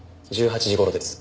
１８時頃です。